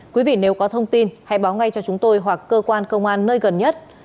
quý vị nếu có thông tin hãy báo ngay cho chúng tôi hoặc cơ quan công an nơi gần nhất